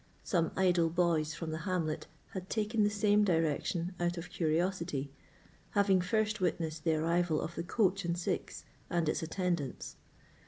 Some idle boys from the hamlet had taken the same direction out of curiosity, having first witnessed the arrival of the coach and six and its attendants.